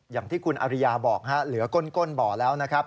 อย่างที่คุณอริยาบอกเหลือก้นบ่อแล้วนะครับ